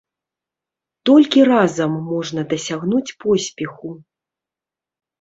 Толькі разам можна дасягнуць поспеху.